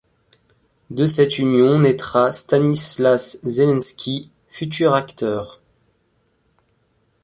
De cette union naîtra Stanislas Zelenski, futur acteur.